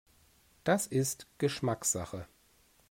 Das ist Geschmackssache.